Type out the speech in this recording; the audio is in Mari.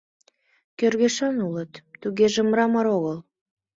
— Кӧргашан улыт, тугеже, мрамор огыл.